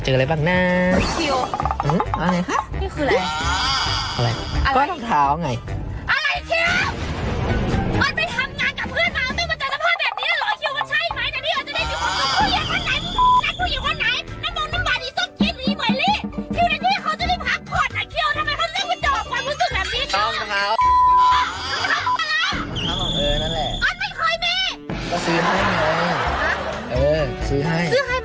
ซื้อให้มันต้องมีในกล่องไว้ล่ะ